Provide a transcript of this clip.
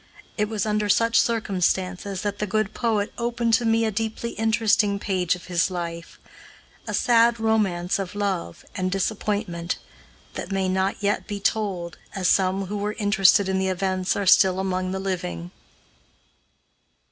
It was under such circumstances that the good poet opened to me a deeply interesting page of his life, a sad romance of love and disappointment, that may not yet be told, as some who were interested in the events are still among the living.